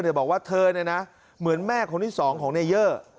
บอกว่าเธอเนี่ยนะเหมือนแม่คนที่สองของนายเยอร์